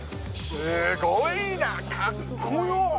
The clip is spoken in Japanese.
すごいな、かっこよ！